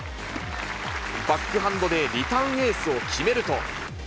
バックハンドでリターンエースを決めると。